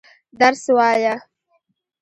درس وايه.